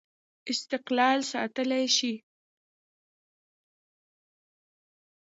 استقلال ساتلای شي.